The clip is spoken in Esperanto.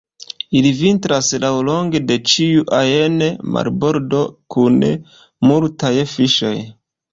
Ili vintras laŭlonge de ĉiu ajn marbordo kun multaj fiŝoj.